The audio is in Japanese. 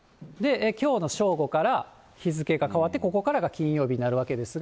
きょうの正午から日付が変わって、ここからが金曜日になるわけですが。